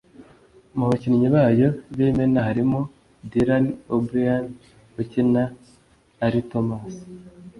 mu bakinnyi bayo b’imena harimo Dylan O’Brien ukina ari Thomas